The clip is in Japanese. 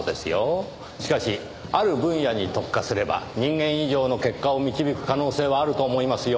しかしある分野に特化すれば人間以上の結果を導く可能性はあると思いますよ。